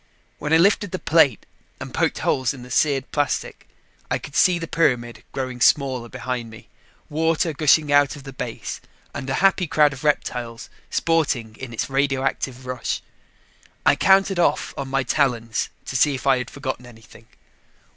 When I lifted the plate and poked holes in the seared plastic, I could see the pyramid growing smaller behind me, water gushing out of the base and a happy crowd of reptiles sporting in its radioactive rush. I counted off on my talons to see if I had forgotten anything.